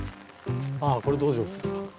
ああこれ道場ですか。